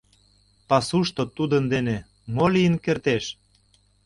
Пасушто тудын дене мо лийын кертеш?